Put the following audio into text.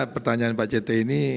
pertanyaan pak cethe ini